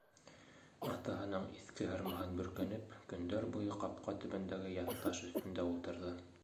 Атаһының иҫке һырмаһын бөркәнеп, көндәр буйы ҡапҡа төбөндәге яҫы таш өҫтөндә ултырҙы.